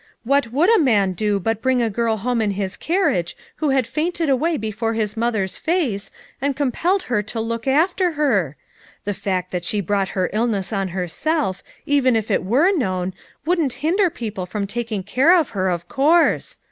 What would a man do but bring a girl home in his carriage who had fainted away before his mother's face, and com pelled her to look after her? The fact that she brought her illness on herself, even if it were known, wouldn't hinder people from taking care of her of course.